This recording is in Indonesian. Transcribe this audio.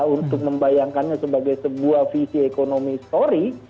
untuk membayangkannya sebagai sebuah visi ekonomi story